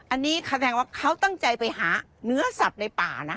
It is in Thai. อันนี้แสดงว่าเขาตั้งใจไปหาเนื้อสัตว์ในป่านะ